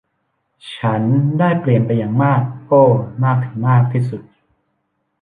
ฉันได้เปลี่ยนไปอย่างมาก โอ้ มากถึงมากที่สุด